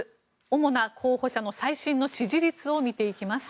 まず主な候補者の最新の支持率を見ていきます。